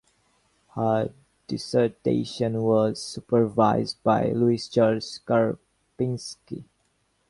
Her dissertation was supervised by Louis Charles Karpinski.